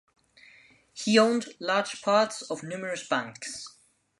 He owned large parts of numerous banks.